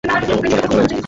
ওহ, চলেও গেছে!